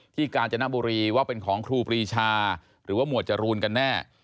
กาญจนบุรีว่าเป็นของครูปรีชาหรือว่าหมวดจรูนกันแน่